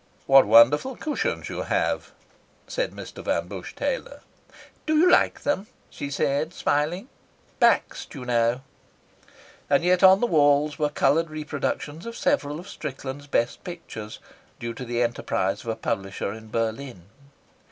"What wonderful cushions you have," said Mr. Van Busche Taylor. "Do you like them?" she said, smiling. "Bakst, you know." And yet on the walls were coloured reproductions of several of Strickland's best pictures, due to the enterprise of a publisher in Berlin.